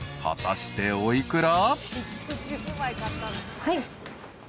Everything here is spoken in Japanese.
［果たしてお幾ら？］